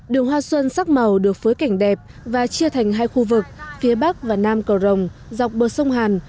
đường hoa xuân sắc màu được phới cảnh đẹp và chia thành hai khu vực phía bắc và nam cầu rồng dọc bờ sông hàn